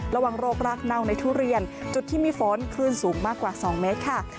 ระวังโรครากเน่าในทุเรียนจุดที่มีฝนคลื่นสูงมากกว่า๒เมตรค่ะ